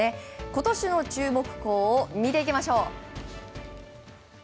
今年の注目校を見ていきましょう。